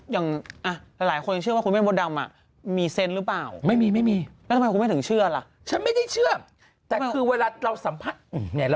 อย่างเราเห็นอย่างเช่นเราไปวัดตาไข่ใช่ไหม